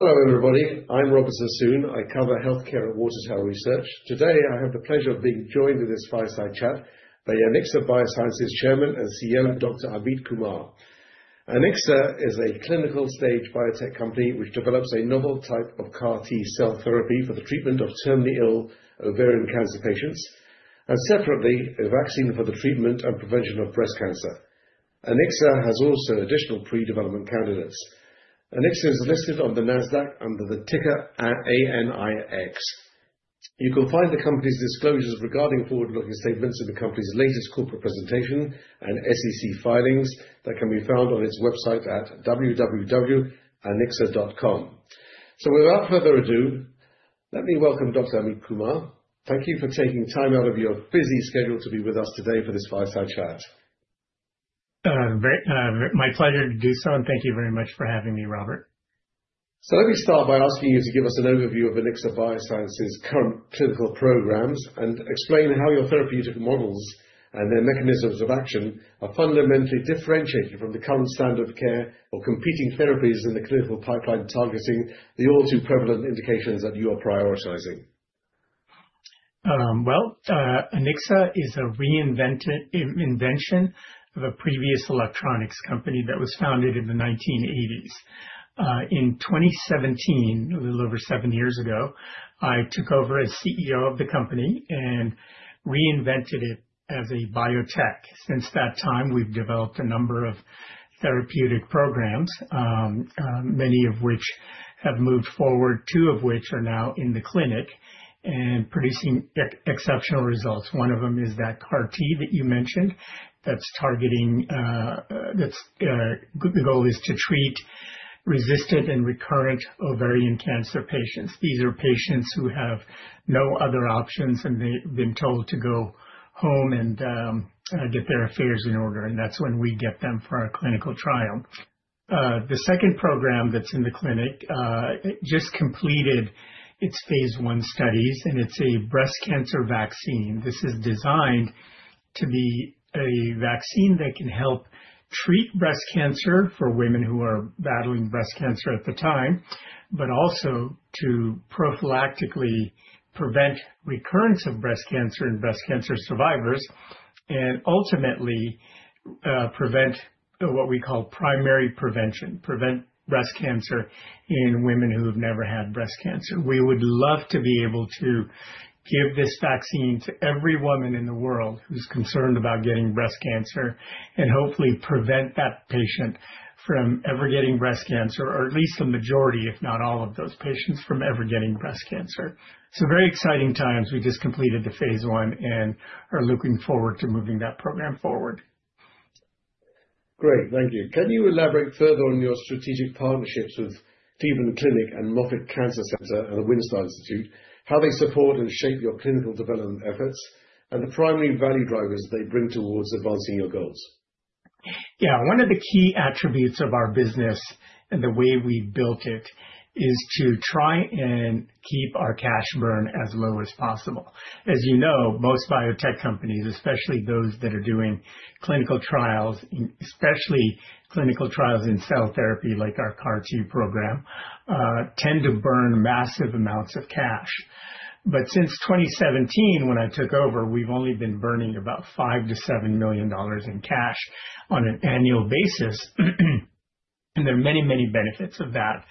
Hello, everybody. I'm Robert Sassoon. I cover healthcare at Water Tower Research. Today, I have the pleasure of being joined in this fireside chat by Anixa Biosciences Chairman and CEO, Dr. Amit Kumar. Anixa is a clinical-stage biotech company which develops a novel type of CAR-T cell therapy for the treatment of terminally ill ovarian cancer patients, and separately, a vaccine for the treatment and prevention of breast cancer. Anixa has also additional pre-development candidates. Anixa is listed on the Nasdaq under the ticker ANIX. You can find the company's disclosures regarding forward-looking statements in the company's latest corporate presentation and SEC filings that can be found on its website at www.anixa.com. So, without further ado, let me welcome Dr. Amit Kumar. Thank you for taking time out of your busy schedule to be with us today for this fireside chat. My pleasure to do so, and thank you very much for having me, Robert. So, let me start by asking you to give us an overview of Anixa Biosciences' current clinical programs and explain how your therapeutic models and their mechanisms of action are fundamentally differentiated from the current standard of care or competing therapies in the clinical pipeline targeting the all-too-prevalent indications that you are prioritizing? Anixa is a reinvention of a previous electronics company that was founded in the 1980s. In 2017, a little over seven years ago, I took over as CEO of the company and reinvented it as a biotech. Since that time, we've developed a number of therapeutic programs, many of which have moved forward, two of which are now in the clinic and producing exceptional results. One of them is that CAR-T that you mentioned that's targeting. The goal is to treat resistant and recurrent ovarian cancer patients. These are patients who have no other options, and they've been told to go home and get their affairs in order, and that's when we get them for our clinical trial. The second program that's in the clinic just completed its phase I studies, and it's a breast cancer vaccine. This is designed to be a vaccine that can help treat breast cancer for women who are battling breast cancer at the time, but also to prophylactically prevent recurrence of breast cancer in breast cancer survivors and ultimately prevent what we call primary prevention, prevent breast cancer in women who have never had breast cancer. We would love to be able to give this vaccine to every woman in the world who's concerned about getting breast cancer and hopefully prevent that patient from ever getting breast cancer, or at least the majority, if not all of those patients, from ever getting breast cancer. So, very exciting times. We just completed the phase I and are looking forward to moving that program forward. Great. Thank you. Can you elaborate further on your strategic partnerships with Cleveland Clinic and Moffitt Cancer Center and the Wistar Institute, how they support and shape your clinical development efforts, and the primary value drivers they bring towards advancing your goals? Yeah. One of the key attributes of our business and the way we've built it is to try and keep our cash burn as low as possible. As you know, most biotech companies, especially those that are doing clinical trials, especially clinical trials in cell therapy like our CAR-T program, tend to burn massive amounts of cash. But since 2017, when I took over, we've only been burning about $5 million-$7 million in cash on an annual basis. And there are many, many benefits of that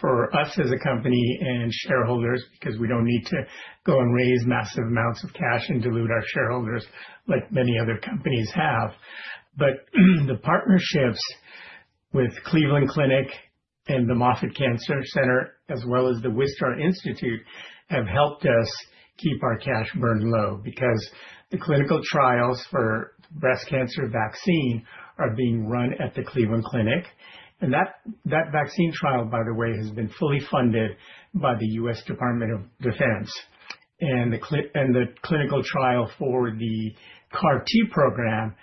for us as a company and shareholders because we don't need to go and raise massive amounts of cash and dilute our shareholders like many other companies have. But the partnerships with Cleveland Clinic and the Moffitt Cancer Center, as well as the Wistar Institute, have helped us keep our cash burn low because the clinical trials for breast cancer vaccine are being run at the Cleveland Clinic, and that vaccine trial, by the way, has been fully funded by the U.S. Department of Defense, and the clinical trial for the CAR-T program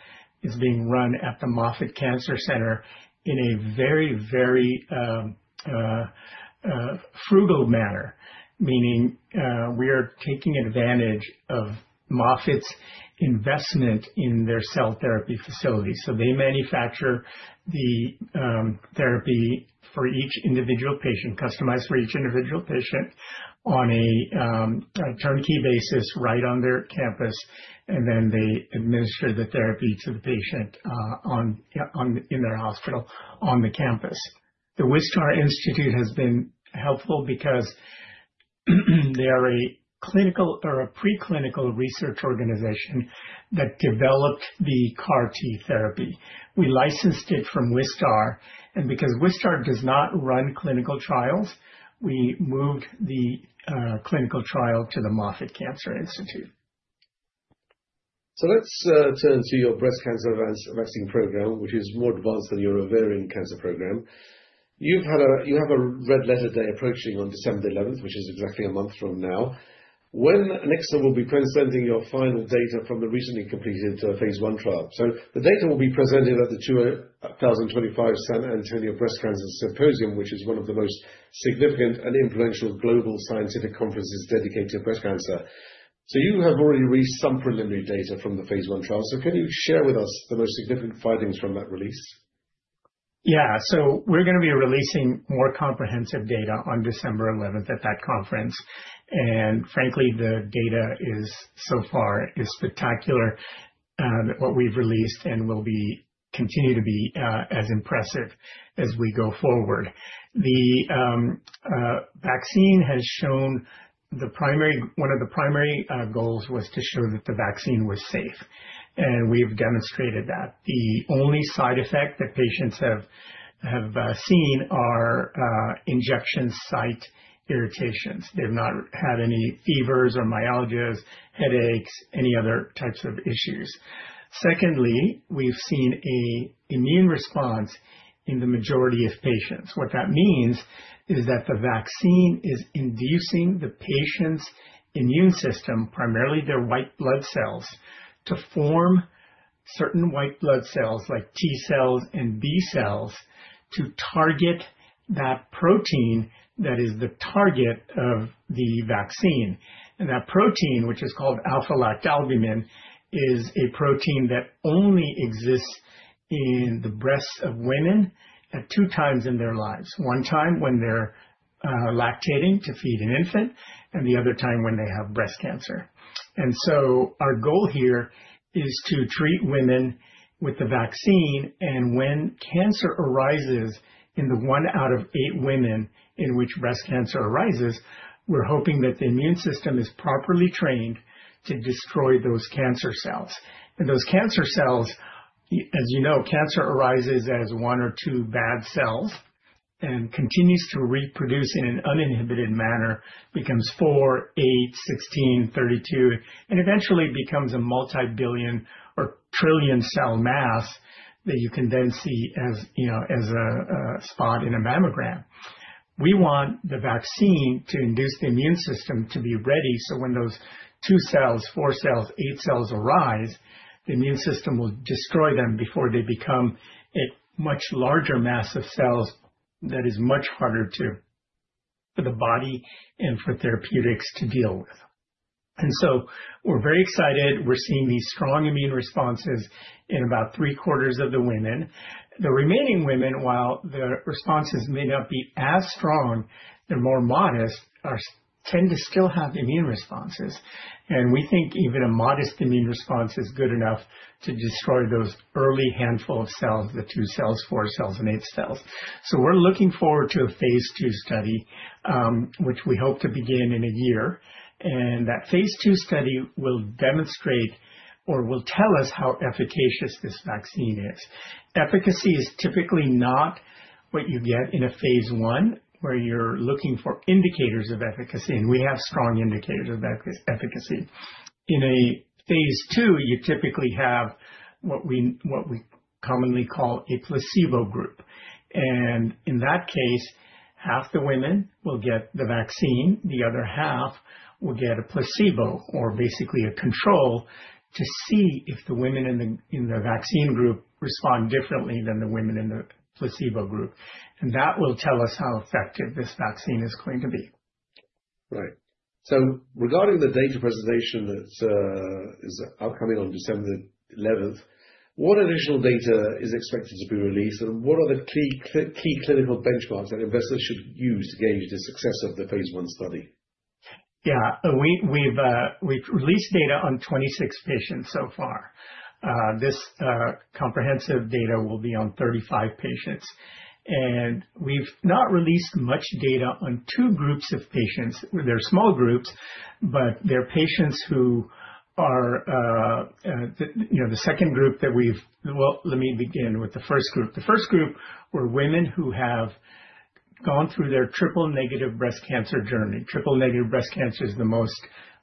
is being run at the Moffitt Cancer Center in a very, very frugal manner, meaning we are taking advantage of Moffitt's investment in their cell therapy facility, so they manufacture the therapy for each individual patient, customized for each individual patient on a turnkey basis right on their campus, and then they administer the therapy to the patient in their hospital on the campus. The Wistar Institute has been helpful because they are a clinical or a preclinical research organization that developed the CAR-T therapy. We licensed it from Wistar, and because Wistar does not run clinical trials, we moved the clinical trial to the Moffitt Cancer Center. So, let's turn to your breast cancer vaccine program, which is more advanced than your ovarian cancer program. You have a red letter day approaching on December the 11th, which is exactly a month from now, when Anixa will be presenting your final data from the recently completed phase I trial. So, the data will be presented at the 2025 San Antonio Breast Cancer Symposium, which is one of the most significant and influential global scientific conferences dedicated to breast cancer. So, you have already released some preliminary data from the phase I trial. So, can you share with us the most significant findings from that release? Yeah. We're going to be releasing more comprehensive data on December 11th at that conference. Frankly, the data so far is spectacular, what we've released, and will continue to be as impressive as we go forward. The vaccine has shown one of the primary goals was to show that the vaccine was safe, and we've demonstrated that. The only side effect that patients have seen are injection site irritations. They've not had any fevers or myalgias, headaches, any other types of issues. Secondly, we've seen an immune response in the majority of patients. What that means is that the vaccine is inducing the patient's immune system, primarily their white blood cells, to form certain white blood cells like T cells and B cells to target that protein that is the target of the vaccine. That protein, which is called alpha-lactalbumin, is a protein that only exists in the breasts of women at two times in their lives: one time when they're lactating to feed an infant and the other time when they have breast cancer. So, our goal here is to treat women with the vaccine, and when cancer arises in the one out of eight women in which breast cancer arises, we're hoping that the immune system is properly trained to destroy those cancer cells. Those cancer cells, as you know, cancer arises as one or two bad cells and continues to reproduce in an uninhibited manner, becomes four, eight, 16, 32, and eventually becomes a multibillion or trillion cell mass that you can then see as a spot in a mammogram. We want the vaccine to induce the immune system to be ready so when those two cells, four cells, eight cells arise, the immune system will destroy them before they become a much larger mass of cells that is much harder for the body and for therapeutics to deal with. And so, we're very excited. We're seeing these strong immune responses in about three-quarters of the women. The remaining women, while the responses may not be as strong, they're more modest, tend to still have immune responses. And we think even a modest immune response is good enough to destroy those early handful of cells, the two cells, four cells, and eight cells. So, we're looking forward to a phase II study, which we hope to begin in a year. And that phase II study will demonstrate or will tell us how efficacious this vaccine is. Efficacy is typically not what you get in a phase I where you're looking for indicators of efficacy, and we have strong indicators of efficacy. In a phase II, you typically have what we commonly call a placebo group. And in that case, half the women will get the vaccine. The other half will get a placebo or basically a control to see if the women in the vaccine group respond differently than the women in the placebo group. And that will tell us how effective this vaccine is going to be. Right. So, regarding the data presentation that is upcoming on December the 11th, what additional data is expected to be released, and what are the key clinical benchmarks that investors should use to gauge the success of the phase I study? Yeah. We've released data on 26 patients so far. This comprehensive data will be on 35 patients. And we've not released much data on two groups of patients. They're small groups, but they're patients who are the second group that we've, well, let me begin with the first group. The first group were women who have gone through their triple-negative breast cancer journey. Triple-negative breast cancer is the most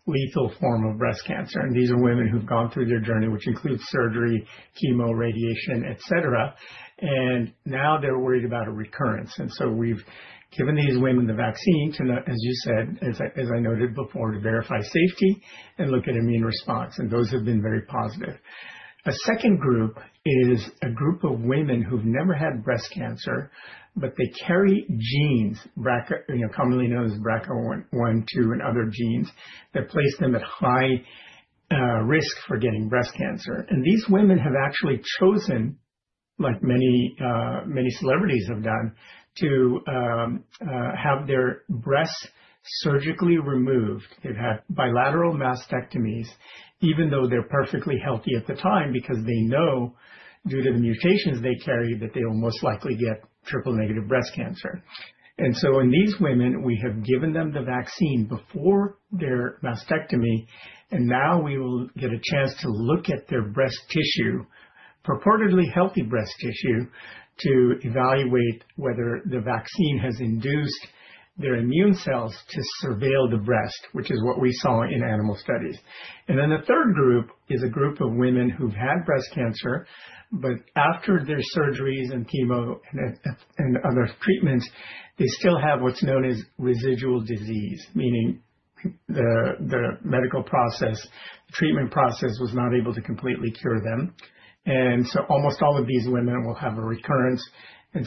lethal form of breast cancer. And these are women who've gone through their journey, which includes surgery, chemo, radiation, et cetera. And now they're worried about a recurrence. And so, we've given these women the vaccine to, as you said, as I noted before, to verify safety and look at immune response. And those have been very positive. A second group is a group of women who've never had breast cancer, but they carry genes, commonly known as BRCA1, BRCA2, and other genes that place them at high risk for getting breast cancer. And these women have actually chosen, like many celebrities have done, to have their breasts surgically removed. They've had bilateral mastectomies, even though they're perfectly healthy at the time because they know, due to the mutations they carry, that they will most likely get triple-negative breast cancer. And so, in these women, we have given them the vaccine before their mastectomy, and now we will get a chance to look at their breast tissue, purportedly healthy breast tissue, to evaluate whether the vaccine has induced their immune cells to surveil the breast, which is what we saw in animal studies. The third group is a group of women who've had breast cancer, but after their surgeries and chemo and other treatments, they still have what's known as residual disease, meaning the medical process, the treatment process was not able to completely cure them. Almost all of these women will have a recurrence.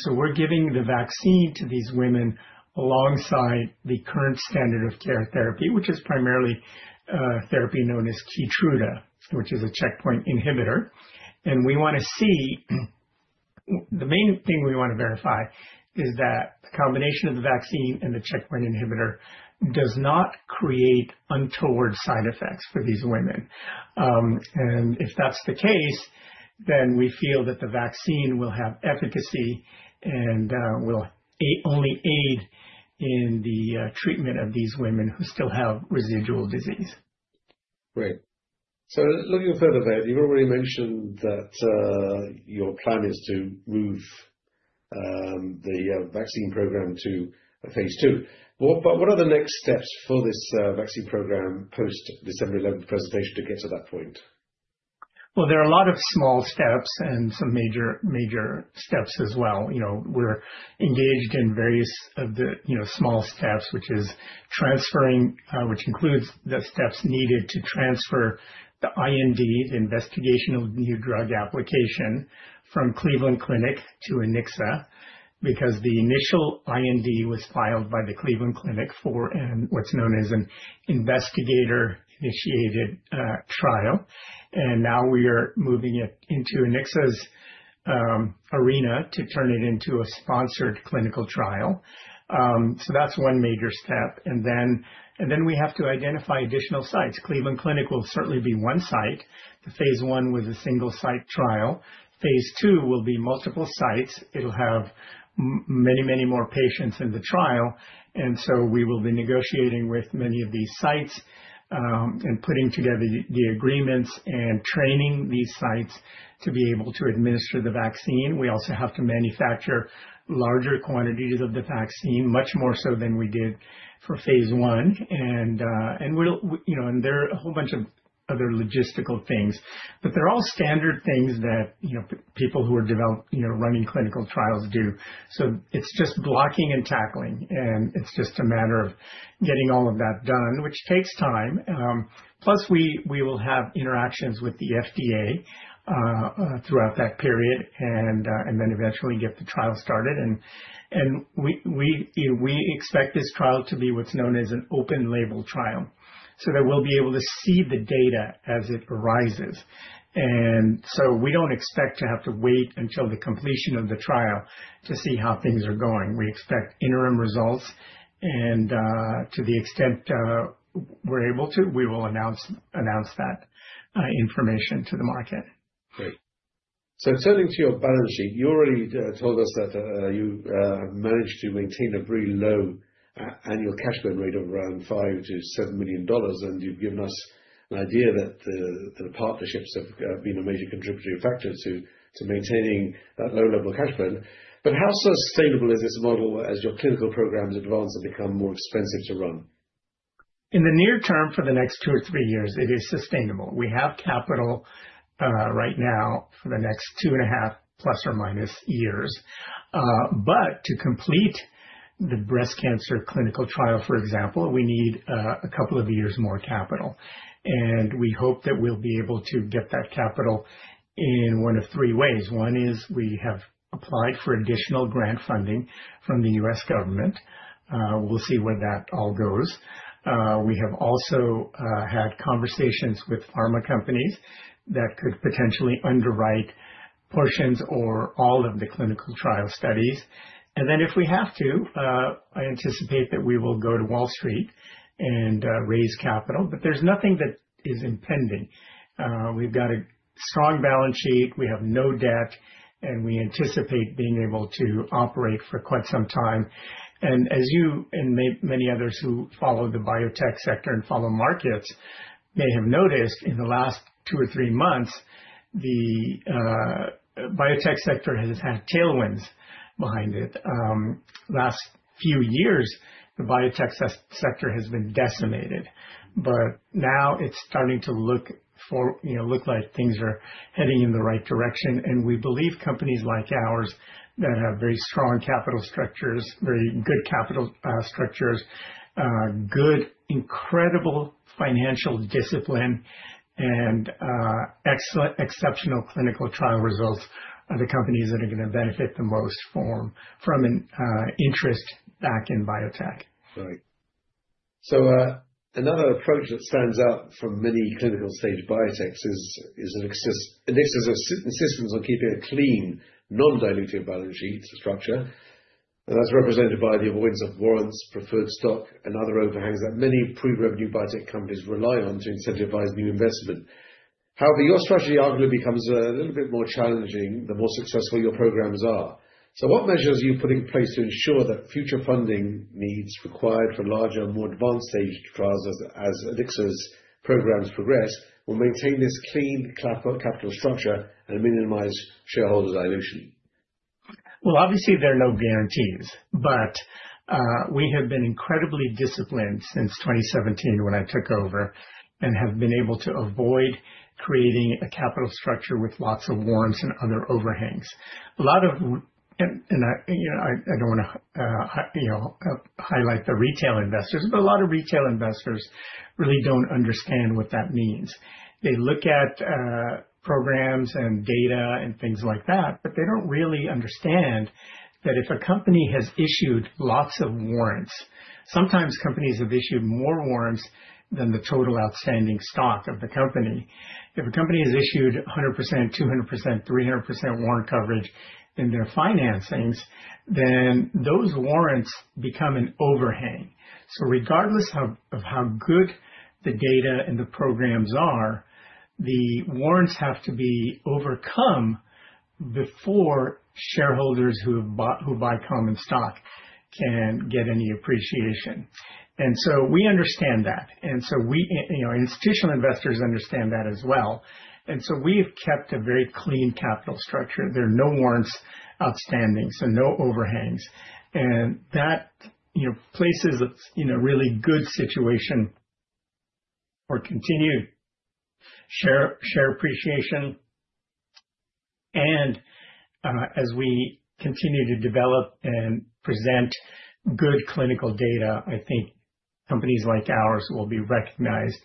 We're giving the vaccine to these women alongside the current standard of care therapy, which is primarily therapy known as Keytruda, which is a checkpoint inhibitor. We want to see, the main thing we want to verify is that the combination of the vaccine and the checkpoint inhibitor does not create untoward side effects for these women. If that's the case, then we feel that the vaccine will have efficacy and will only aid in the treatment of these women who still have residual disease. Great. So, looking further ahead, you've already mentioned that your plan is to move the vaccine program to phase II. But what are the next steps for this vaccine program post-December 11th presentation to get to that point? There are a lot of small steps and some major steps as well. We're engaged in various of the small steps, which is transferring, which includes the steps needed to transfer the IND, the Investigational New Drug application, from Cleveland Clinic to Anixa because the initial IND was filed by the Cleveland Clinic for what's known as an investigator-initiated trial. Now we are moving it into Anixa's arena to turn it into a sponsored clinical trial. That's one major step. We have to identify additional sites. Cleveland Clinic will certainly be one site. The phase I was a single-site trial. Phase II will be multiple sites. It'll have many, many more patients in the trial. We will be negotiating with many of these sites and putting together the agreements and training these sites to be able to administer the vaccine. We also have to manufacture larger quantities of the vaccine, much more so than we did for phase I. And there are a whole bunch of other logistical things, but they're all standard things that people who are running clinical trials do. So, it's just blocking and tackling, and it's just a matter of getting all of that done, which takes time. Plus, we will have interactions with the FDA throughout that period and then eventually get the trial started. And we expect this trial to be what's known as an open-label trial. So, that we'll be able to see the data as it arises. And so, we don't expect to have to wait until the completion of the trial to see how things are going. We expect interim results. And to the extent we're able to, we will announce that information to the market. Great. So, turning to your balance sheet, you already told us that you managed to maintain a very low annual cash burn rate of around $5 million-$7 million, and you've given us an idea that the partnerships have been a major contributing factor to maintaining that low-level cash burn. But how sustainable is this model as your clinical programs advance and become more expensive to run? In the near term for the next two or three years, it is sustainable. We have capital right now for the next two and a half plus or minus years. But to complete the breast cancer clinical trial, for example, we need a couple of years more capital. And we hope that we'll be able to get that capital in one of three ways. One is we have applied for additional grant funding from the U.S. government. We'll see where that all goes. We have also had conversations with pharma companies that could potentially underwrite portions or all of the clinical trial studies. And then if we have to, I anticipate that we will go to Wall Street and raise capital. But there's nothing that is impending. We've got a strong balance sheet. We have no debt, and we anticipate being able to operate for quite some time. As you and many others who follow the biotech sector and follow markets may have noticed, in the last two or three months, the biotech sector has had tailwinds behind it. Last few years, the biotech sector has been decimated. Now it's starting to look like things are heading in the right direction. We believe companies like ours that have very strong capital structures, very good capital structures, good, incredible financial discipline, and exceptional clinical trial results are the companies that are going to benefit the most from interest back in biotech. Right. So, another approach that stands out from many clinical-stage biotechs is Anixa's insistence on keeping a clean, non-dilutive balance sheet structure. And that's represented by the avoidance of warrants, preferred stock, and other overhangs that many pre-revenue biotech companies rely on to incentivize new investment. However, your strategy arguably becomes a little bit more challenging the more successful your programs are. So, what measures are you putting in place to ensure that future funding needs required for larger, more advanced stage trials as Anixa's programs progress will maintain this clean capital structure and minimize shareholder dilution? Obviously, there are no guarantees. We have been incredibly disciplined since 2017 when I took over and have been able to avoid creating a capital structure with lots of warrants and other overhangs. A lot of, and I don't want to highlight the retail investors, but a lot of retail investors really don't understand what that means. They look at programs and data and things like that, but they don't really understand that if a company has issued lots of warrants, sometimes companies have issued more warrants than the total outstanding stock of the company. If a company has issued 100%, 200%, 300% warrant coverage in their financings, then those warrants become an overhang. Regardless of how good the data and the programs are, the warrants have to be overcome before shareholders who buy common stock can get any appreciation. We understand that. And so, institutional investors understand that as well. And so, we've kept a very clean capital structure. There are no warrants outstanding, so no overhangs. And that places a really good situation for continued share appreciation. And as we continue to develop and present good clinical data, I think companies like ours will be recognized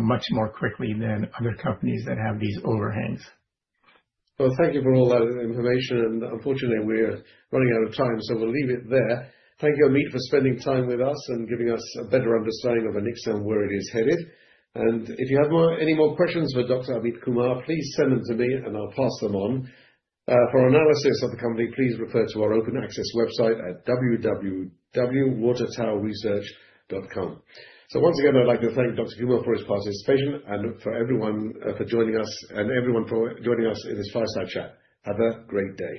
much more quickly than other companies that have these overhangs. Thank you for all that information. Unfortunately, we're running out of time, so we'll leave it there. Thank you, Amit, for spending time with us and giving us a better understanding of Anixa and where it is headed. If you have any more questions for Dr. Amit Kumar, please send them to me, and I'll pass them on. For analysis of the company, please refer to our open access website at www.watertowerresearch.com. Once again, I'd like to thank Dr. Kumar for his participation and for everyone for joining us in this fireside chat. Have a great day.